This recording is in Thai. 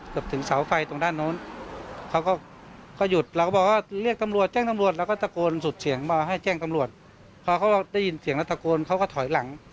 พอเขาได้ยินเสียงรัฐกรณ์เขาก็ถอยหลัง